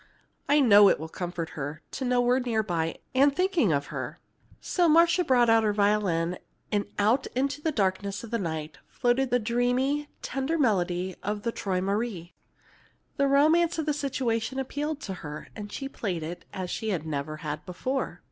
I know it will comfort her to know we're near by and thinking of her." So Marcia brought her violin, and out into the darkness of the night floated the dreamy, tender melody of the "Träumerei." The romance of the situation appealed to her, and she played it as she never had before.